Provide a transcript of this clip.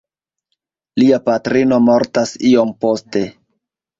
Lia patrino mortas iom poste.